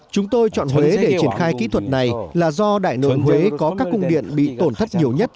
chúng tôi chọn huế để triển khai kỹ thuật này là do đại nội huế có các cung điện bị tổn thất nhiều nhất